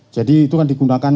jadi itu kan digunakan